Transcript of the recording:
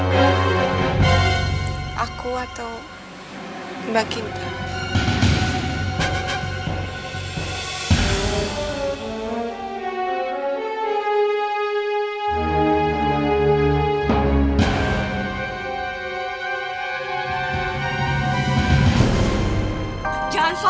tentang siapa yang akan menikah dengan aku